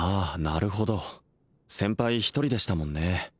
なるほど先輩１人でしたもんね